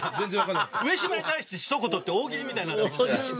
上島に対してひと言って、大喜利みたいになってきて。